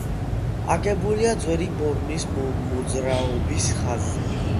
აგებულია ძველი ბორნის მოძრაობის ხაზზე.